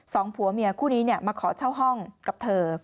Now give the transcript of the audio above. สองผัวเมียคู่นี้มาขอเช่าห้องกับเธอ